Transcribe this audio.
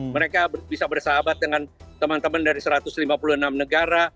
mereka bisa bersahabat dengan teman teman dari satu ratus lima puluh enam negara